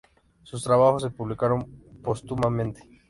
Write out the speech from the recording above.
Sus trabajos se publicaron póstumamente.